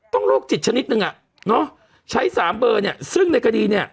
โรคจิตชนิดนึงอ่ะเนอะใช้สามเบอร์เนี่ยซึ่งในคดีเนี่ย